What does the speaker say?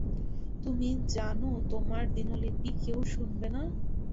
তুমি জানো, তোমার দিনলিপি কেউ শুনবে না?